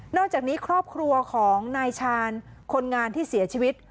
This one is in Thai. อกจากนี้ครอบครัวของนายชาญคนงานที่เสียชีวิต